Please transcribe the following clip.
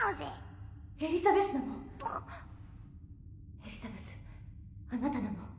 エリザベスあなたなの？